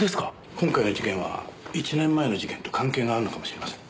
今回の事件は１年前の事件と関係があるのかもしれません。